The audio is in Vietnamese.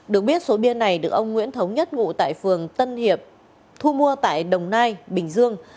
được biết số bia này được ông nguyễn thống nhất ngụ tại phường tân hiệp thu mua tại đồng nai bình dương